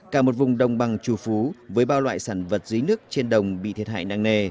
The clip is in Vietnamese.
cả một vùng đồng bằng trù phú với bao loại sản vật dưới nước trên đồng bị thiệt hại nặng nề